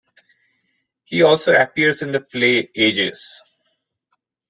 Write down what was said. He also appears in the play "Agis".